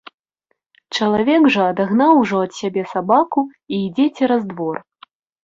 Чалавек жа адагнаў ужо ад сябе сабаку і ідзе цераз двор.